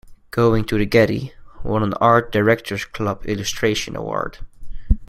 "Going to the Getty" won an Art Directors Club Illustration Award.